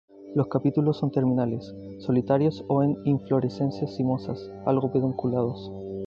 Los capítulos son terminales, solitarios o en inflorescencias cimosas, algo pedunculados.